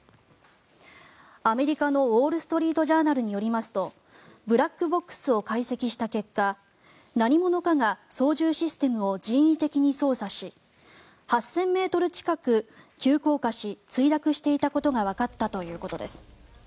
アメリカのウォール・ストリート・ジャーナルによりますとブラックボックスを解析した結果何者かが操縦システムを人為的に操作し８０００ｍ近く急降下し墜落していたことがわかったということです。